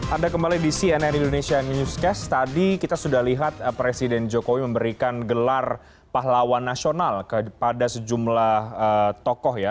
ada kembali di cnn indonesia newscast tadi kita sudah lihat presiden jokowi memberikan gelar pahlawan nasional kepada sejumlah tokoh ya